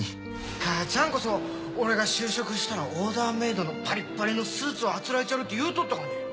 母ちゃんこそ俺が就職したらオーダーメードのパリッパリのスーツをあつらえちゃるって言うとったがね。